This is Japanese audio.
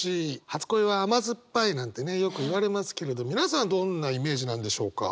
「初恋は甘酸っぱい」なんてねよくいわれますけれど皆さんどんなイメージなんでしょうか？